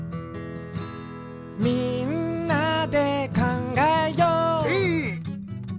「みんなでかんがえよう」エー！